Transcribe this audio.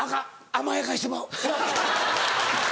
甘やかしてまう。